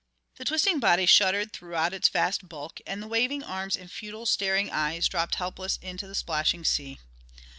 The twisting body shuddered throughout its vast bulk, and the waving arms and futile staring eyes dropped helpless into the splashing sea.